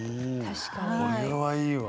これはいいわ。